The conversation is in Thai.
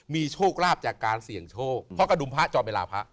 มีโชคลาภจากการเสี่ยงโชคเพราะกระดุมพระจอมเวลาพระ